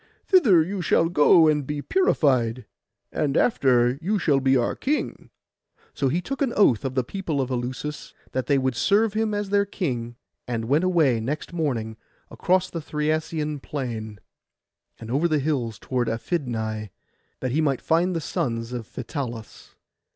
Thither you shall go and be purified, and after you shall be our king.' So he took an oath of the people of Eleusis, that they would serve him as their king, and went away next morning across the Thriasian plain, and over the hills toward Aphidnai, that he might find the sons of Phytalus.